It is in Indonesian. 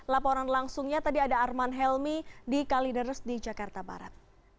laporan langsungnya tadi ada arman helmi di kalideres di jakarta barat